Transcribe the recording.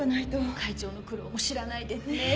会長の苦労も知らないで。ねぇ。